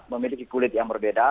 memiliki kulit yang berbeda